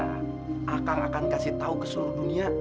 saya akan memberitahu seluruh dunia